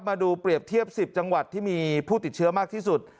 มาดูเปรียบเทียบ๑๐จังหวัดที่มีผู้ติดเชื้อมากที่สุด